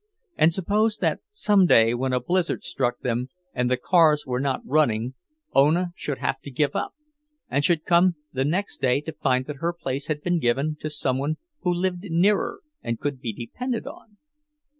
And suppose that some day when a blizzard struck them and the cars were not running, Ona should have to give up, and should come the next day to find that her place had been given to some one who lived nearer and could be depended on?